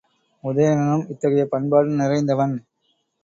உதயணனும் இத்தகைய பண்பாடு நிறைந்தவன்.